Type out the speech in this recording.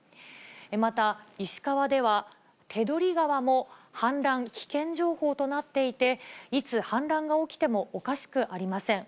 また、石川では手取川も氾濫危険情報となっていて、いつ氾濫が起きてもおかしくありません。